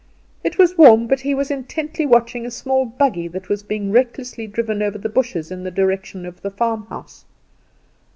It was warm, but he was intently watching a small buggy that was being recklessly driven over the bushes in the direction of the farmhouse.